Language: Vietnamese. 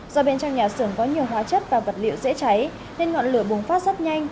do bên trong nhà xưởng có nhiều hóa chất và vật liệu dễ cháy nên ngọn lửa bùng phát rất nhanh